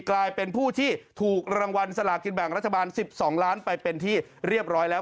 กลายเป็นผู้ที่ถูกรางวัลสลากินแบ่งรัฐบาล๑๒ล้านไปเป็นที่เรียบร้อยแล้ว